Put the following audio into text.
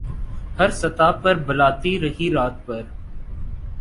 ہر صدا پر بلاتی رہی رات بھر